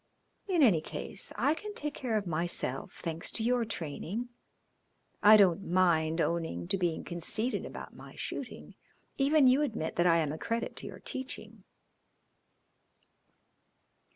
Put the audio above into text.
In any case I can take care of myself, thanks to your training. I don't mind owning to being conceited about my shooting. Even you admit that I am a credit to your teaching."